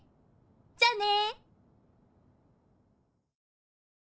じゃあねー！」。